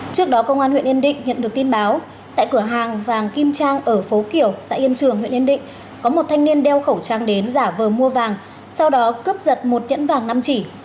trước đó công an huyện yên định nhận được tin báo tại cửa hàng vàng kim trang ở phố kiểu xã yên trường huyện yên định có một thanh niên đeo khẩu trang đến giả vờ mua vàng sau đó cướp giật một nhẫn vàng năm chỉ